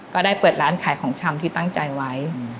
ก็ได้เปิดร้านขายของชำที่ตั้งใจไว้